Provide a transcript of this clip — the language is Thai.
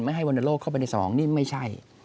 ให้วรรณโลกเข้าไปในสมองนี่ไม่ใช่